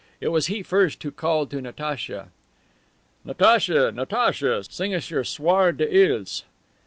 It was he, first, who called to Natacha: "Natacha! Natacha! Sing us your 'Soir des Iles.